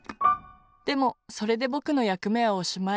でもそれでぼくのやくめはおしまい。